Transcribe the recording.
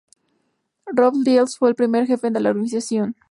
Rudolf Diels fue el primer jefe de la organización.